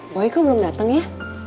boy kok belum dateng ya